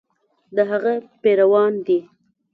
د هغه پیروان دي.